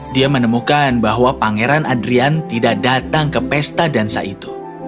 dia menemukan bahwa pangeran adrian tidak datang ke pesta dansa itu